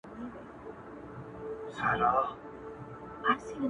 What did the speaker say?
د پیر نیکونه ټول غوثان تېر سوي -